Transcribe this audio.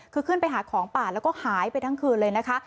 คือขึ้นไปหาของป่าแล้วก็หายไปทั้งคืนเลยนะคะ